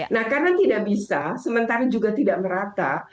nah karena tidak bisa sementara juga tidak merata